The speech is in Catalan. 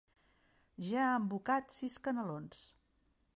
Ja ha embocat sis canelons.